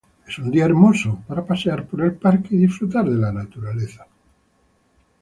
Es un día hermoso para pasear por el parque y disfrutar de la naturaleza.